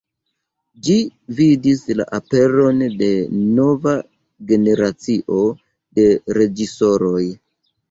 Ĝi vidis la aperon de nova generacio de reĝisoroj.